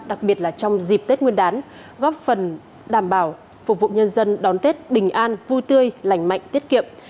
đặc biệt là trong dịp tết nguyên đán góp phần đảm bảo phục vụ nhân dân đón tết bình an vui tươi lành mạnh tiết kiệm